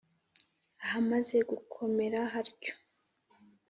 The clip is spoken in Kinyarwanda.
ahamaze gukomera hatyo.